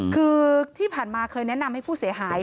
คือที่ผ่านมาเคยแนะนำให้ผู้เสียหาย